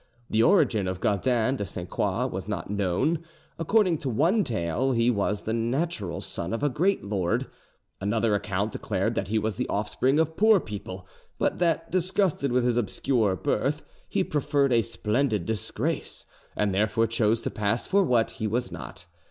The origin of Gaudin de Sainte Croix was not known: according to one tale, he was the natural son of a great lord; another account declared that he was the offspring of poor people, but that, disgusted with his obscure birth, he preferred a splendid disgrace, and therefore chose to pass for what he was not.